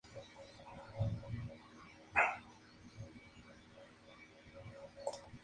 En sus escritos ha defendido la posición de el valenciano no es catalán.